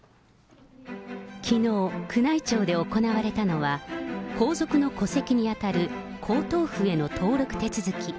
きのう、宮内庁で行われたのは、皇族の戸籍に当たる皇統譜への登録手続き。